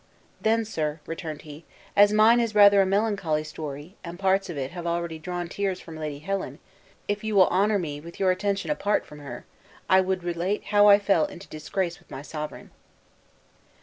"Then, sir," returned he, "as mine is rather a melancholy story, and parts of it have already drawn tears from Lady Helen, if you will honor me with your attention apart from her, I would relate how I fell into disgrace with my sovereign."